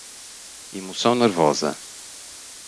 Emoção nervosa